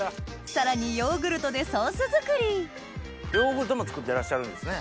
さらにヨーグルトでソース作りヨーグルトも作ってらっしゃるんですね？